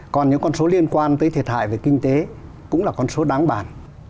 còn những con số liên quan tới thiệt hại về kinh tế cũng là con số đáng bản